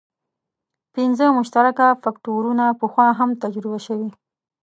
پنځه مشترک فکټورونه پخوا هم تجربه شوي.